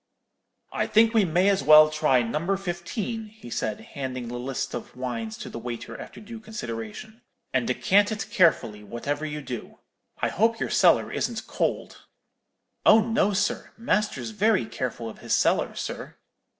"'I think we may as well try number fifteen,' he said, handing the list of wines to the waiter after due consideration; 'and decant it carefully, whatever you do. I hope your cellar isn't cold.' "'Oh, no, sir; master's very careful of his cellar, sir.'